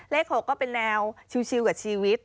เลข๖เป็นแนวชิลล์ชิลลวยกับชีวิต